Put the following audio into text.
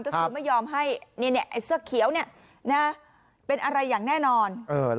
ก็คือไม่ยอมให้เสื้อเขียวเป็นอะไรอย่างแน่นอน